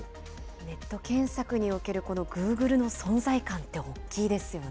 ネット検索におけるこのグーグルの存在感って大きいですよね。